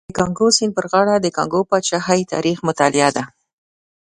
د کانګو سیند پر غاړه د کانګو پاچاهۍ تاریخ مطالعه ده.